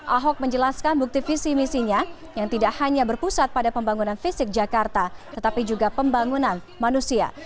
ahok menjelaskan bukti visi misinya yang tidak hanya berpusat pada pembangunan fisik jakarta tetapi juga pembangunan manusia